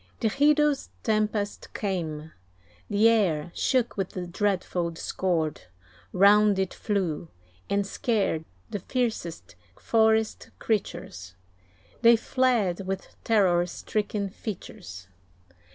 The hideous tempest came; the air Shook with the dreadful discord; round It flew, and scared the fiercest forest creatures; They fled with terror stricken features.